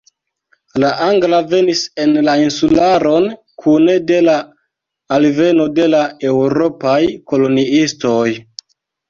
La angla venis en la insularon kune de la alveno de la eŭropaj koloniistoj.